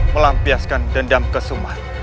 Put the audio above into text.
melampiaskan dendam kesumat